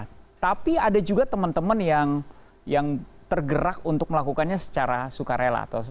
nah tapi ada juga teman teman yang tergerak untuk melakukannya secara sukarela